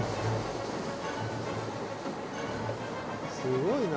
すごいな。